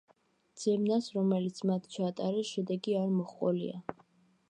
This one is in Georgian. ძებნას, რომელიც მათ ჩაატარეს, შედეგი არ მოჰყოლია.